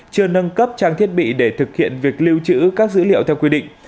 chưa nâng cấp trang thiết bị để thực hiện việc lưu trữ các dữ liệu theo quy định